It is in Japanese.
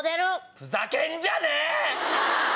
ふざけんじゃねえ‼